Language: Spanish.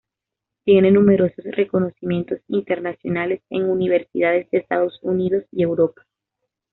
Tiene numerosos reconocimientos internacionales en universidades de Estados Unidos y Europa.